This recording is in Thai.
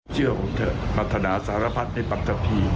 เชื่อผมเถอะปรารถนาสารพัฒในปัทธิ